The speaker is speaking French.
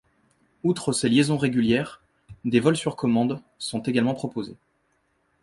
Outre ces liaisons régulières, des vols sur commande, sont également proposés.